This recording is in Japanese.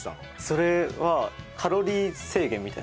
それはカロリー制限みたいな。